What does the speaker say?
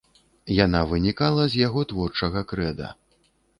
Яна вынікала з яго творчага крэда.